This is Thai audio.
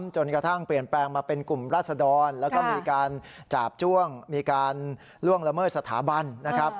จนกระทั่งเปลี่ยนแปลงมาเป็นกลุ่มราศดรแล้วก็มีการจาบจ้วงมีการล่วงละเมิดสถาบันนะครับ